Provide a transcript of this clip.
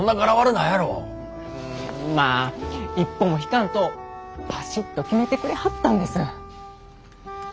まあ一歩も引かんとパシッと決めてくれはったんです。